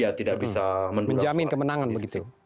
ya tidak bisa menjamin kemenangan begitu